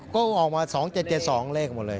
ก็ออกมา๒๗๗๒เลขหมดเลย